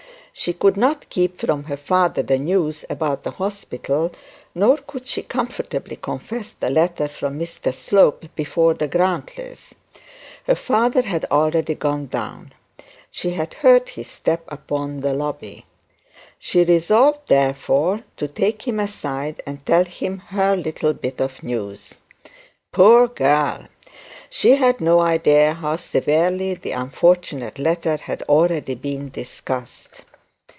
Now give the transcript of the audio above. She could not keep from her father the news about the hospital, nor could she comfortably confess the letter from Mr Slope before the Grantlys. Her father had already gone down. She had heard his step upon the lobby. She resolved therefore to take him aside, and tell him her little bit of news. Poor girl! She had no idea how severely the unfortunate letter had already been discussed.